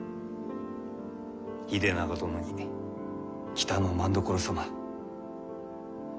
秀長殿に北政所様。